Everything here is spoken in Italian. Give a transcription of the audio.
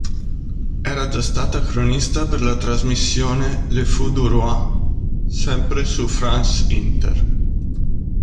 Era già stata cronista per la trasmissione "Le Fou du Roi", sempre su France-Inter.